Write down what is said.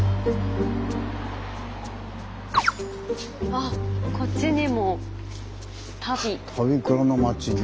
あっこっちにも「足袋」。